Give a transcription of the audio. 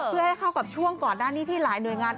เพื่อให้เข้ากับช่วงก่อนหน้านี้ที่หลายหน่วยงาน